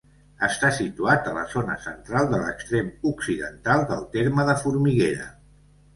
Està situat a la zona central de l'extrem occidental del terme de Formiguera.